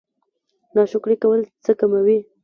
ناشکري کول څه کموي؟